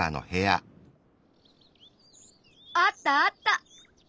あったあった！